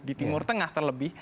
di timur tengah terlebih